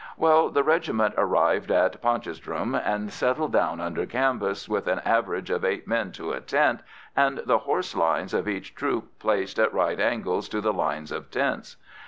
Well, the regiment arrived at Potchefstroom and settled down under canvas, with an average of eight men to a tent and the horse lines of each troop placed at right angles to the lines of tents.